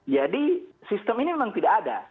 jadi sistem ini memang tidak ada